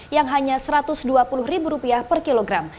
yang hanya satu ratus dua puluh ribu rupiah per kilogram